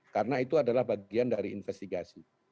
karena itu adalah bagian dari investigasi